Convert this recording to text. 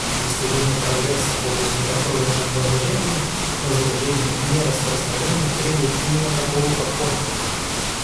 Достижение прогресса в области контроля над вооружениями, разоружения и нераспространения требует именно такого подхода.